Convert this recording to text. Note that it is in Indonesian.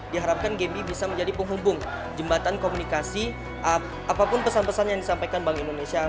diharapkan gambi bisa menjadi penghubung jembatan komunikasi apapun pesan pesan yang disampaikan bank indonesia